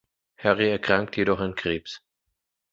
Harry erkrankt jedoch an Krebs.